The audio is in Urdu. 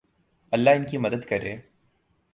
اللہ ان کی مدد کرے